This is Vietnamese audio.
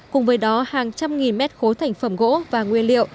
cùng với đó hàng trăm nghìn mét khối thành phẩm gỗ và nguyên liệu